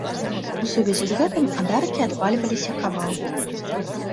У сувязі з гэтым ад аркі адвальваліся кавалкі.